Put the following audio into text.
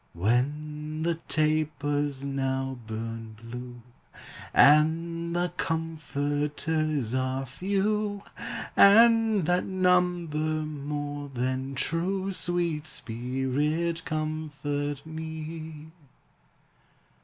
When the tapers now burn blue, And the comforters are few, And that number more than true, Sweet Spirit, comfort me!